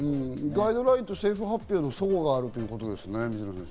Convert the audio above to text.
ガイドラインと政府発表の齟齬があるということですね。